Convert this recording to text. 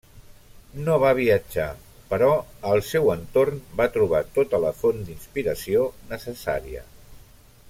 No va viatjar, però al seu entorn va trobar tota la font d'inspiració necessària.